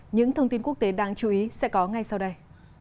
những thông tin quốc tế đáng chú ý sẽ có ngay sau đây